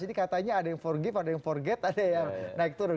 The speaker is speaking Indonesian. jadi katanya ada yang forgive ada yang forget ada yang naik turun